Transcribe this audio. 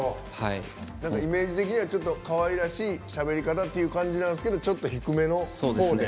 イメージ的にはちょっとかわいらしいしゃべり方っていう感じなんですけどちょっと低めのほうで。